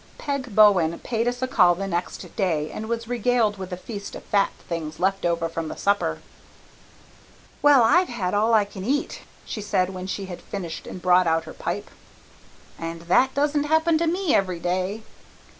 Peg Bowen paid us a call the next day and was regaled with a feast of fat things left over from the supper. "Well, I've had all I can eat," she said, when she had finished and brought out her pipe. "And that doesn't happen to me every day.